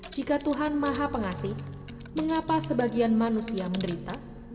jika tuhan maha pengasih mengapa sebagian manusia menderita